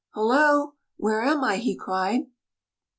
" Hullo ! Where am I ?" he cried.